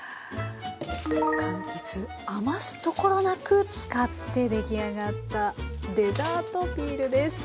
かんきつ余すところなく使って出来上がったデザートピールです。